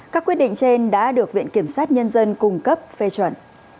các quyết định trên đã được viện kiểm sát nhân dân cung cấp phê chuẩn